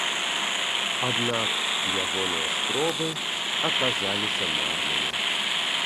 Аднак, ягоныя спробы аказаліся марнымі.